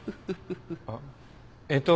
あっえっと